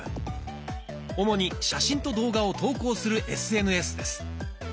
主に写真と動画を投稿するＳＮＳです。